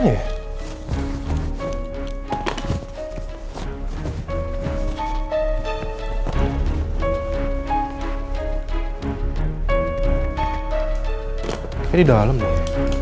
kayaknya di dalam nih